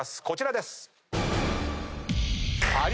こちらです！